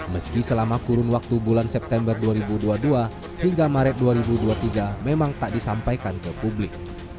meski selama kurun waktu bulan september dua ribu dua puluh dua hingga maret dua ribu dua puluh tiga memang tak disampaikan ke publik